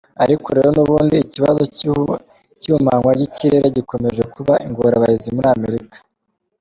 Ariko rero n’ubundi ikibazo cy’ihumanywa ry’ikirere gikomeje kuba ingorabahizi muri Amerika.